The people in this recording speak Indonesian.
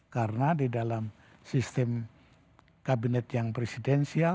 karena di dalam sistem kabinet yang presidensial